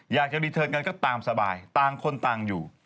อยากจะรีเทิร์นกันก็ตามสบายต่างคนต่างอยู่